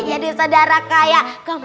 jadi saudara kaya